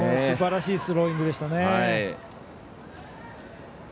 すばらしいスローイングでしたね。